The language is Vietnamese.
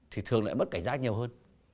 thì thường lại mất cảnh giác nhiều hơn